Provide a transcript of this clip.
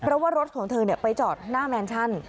เพราะว่ารถของเธอไปจอดหน้าแมนชั่น